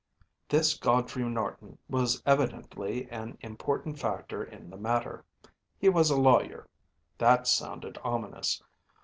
“This Godfrey Norton was evidently an important factor in the matter. He was a lawyer. That sounded ominous.